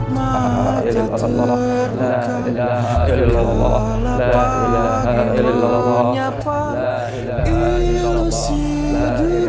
ya allah jenajah ini berat banget pak